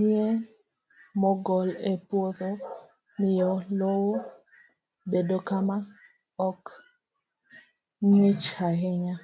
Yien mogol e puodho miyo lowo bedo kama ok ng'ich ahinya.